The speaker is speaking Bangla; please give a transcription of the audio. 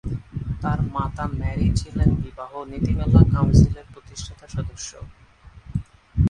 তার মাতা ম্যারি ছিলেন বিবাহ নীতিমালা কাউন্সিলের প্রতিষ্ঠাতা সদস্য।